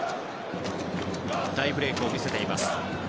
大ブレークを見せています。